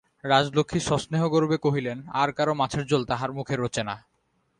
রাজলক্ষ্মী সস্নেহগর্বে কহিলেন, আর-কারো মাছের ঝোল তাহার মুখে রোচে না।